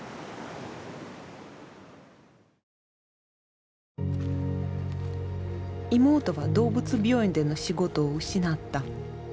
何かここに妹は動物病院での仕事を失った。